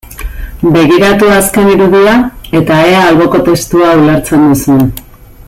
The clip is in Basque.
Begiratu azken irudia eta ea alboko testua ulertzen duzun.